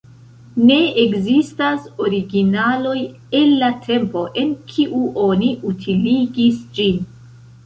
Ne ekzistas originaloj el la tempo, en kiu oni utiligis ĝin.